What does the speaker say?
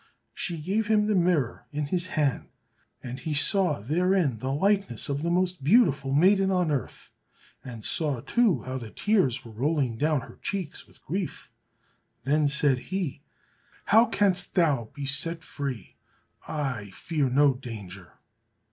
She gave him the mirror in his hand, and he saw therein the likeness of the most beautiful maiden on earth, and saw, too, how the tears were rolling down her cheeks with grief. Then said he, "How canst thou be set free? I fear no danger."